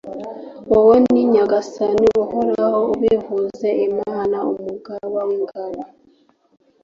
uwo ni Nyagasani Uhoraho ubivuze, Imana Umugaba w’ingabo —